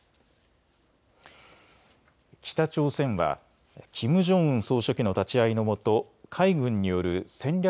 北朝鮮はキム・ジョンウン総書記の立ち会いのもと海軍による戦略